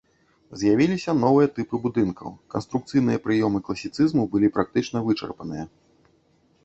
З'явіліся новыя тыпы будынкаў, канструкцыйныя прыёмы класіцызму былі практычна вычарпаныя.